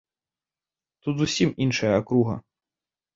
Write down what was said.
Тут зусім іншая акруга!